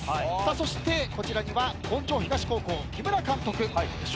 そしてこちらには本庄東高校木村監督笑